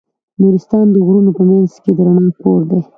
نورستان د غرونو په منځ کې د رڼا کور دی.